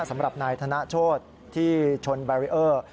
สำหรับนายธนโชธที่ชนแบรีเออร์